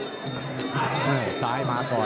ส่วนคู่ต่อไปของกาวสีมือเจ้าระเข้ยวนะครับขอบคุณด้วย